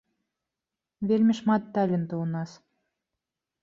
Вельмі шмат талентаў у нас.